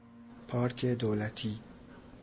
پارک دولتی